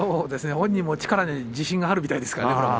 本人も力に自信があるみたいですからね。